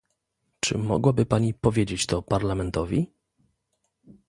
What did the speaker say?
Czy mogłaby Pani powiedzieć to Parlamentowi?